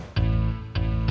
bisa berbunyi ya